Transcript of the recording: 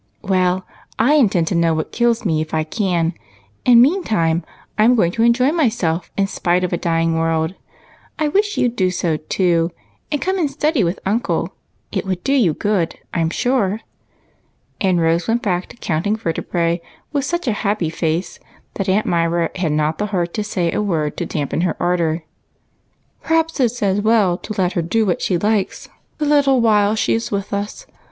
" Well, I intend to know what kills me if I can, and meantime I 'm going to enjoy myself in spite of a dying world. I wish you 'd do so too, and come and study with uncle, it would do you good I'm sure," and Rose went back to countino; vertebrre with such BROTHER BONES. 219 a happy face that Aunt Myra had not the heart to say a word to dampen her ardor. " Perhaps it 's as well to let her do what she likes the little while she is with us.